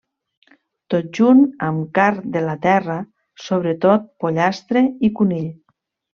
Tot junt amb carn de la terra, sobretot pollastre i conill.